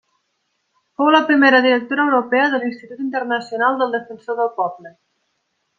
Fou la primera directora europea de l'Institut Internacional del Defensor del Poble.